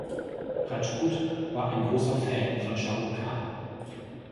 Rajput war ein großer Fan von Shah Rukh Khan.